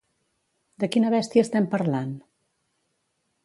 De quina bèstia estem parlant?